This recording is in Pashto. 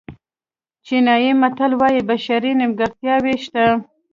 چینایي متل وایي بشري نیمګړتیاوې شته.